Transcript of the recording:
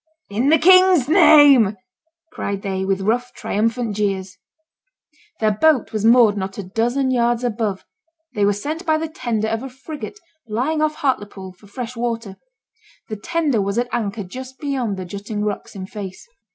'In the King's name!' cried they, with rough, triumphant jeers. Their boat was moored not a dozen yards above; they were sent by the tender of a frigate lying off Hartlepool for fresh water. The tender was at anchor just beyond the jutting rocks in face.